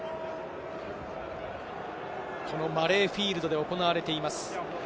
このマレーフィールドで行われています。